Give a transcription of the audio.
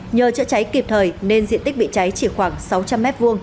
nhờ chữa cháy kịp thời nên diện tích bị cháy chỉ khoảng sáu trăm linh m hai